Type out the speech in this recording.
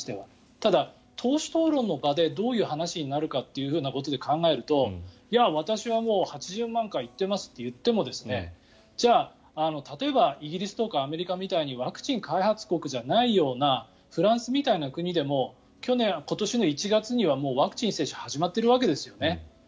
ただ、党首討論の場でどういう話になるかということで考えるといや、私はもう８０万回行ってますと言ってもじゃあ、例えばイギリスとかアメリカみたいにワクチン開発国じゃないようなフランスみたいな国でも去年、今年の１月にはもうワクチン接種が始まっているわけですね。